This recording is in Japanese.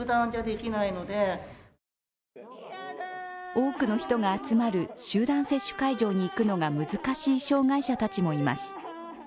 多くの人が集まる集団接種会場に行くのが難しい障害者たちもいます。